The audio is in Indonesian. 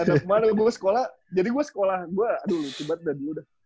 anak mana gue sekolah jadi gue sekolah gue dulu cibad dan udah